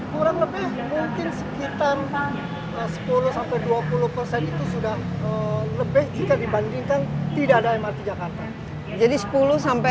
kurang lebih mungkin sekitar sepuluh dua puluh persen itu sudah lebih jika dibandingkan tidak ada mrt jakarta jadi sepuluh sampai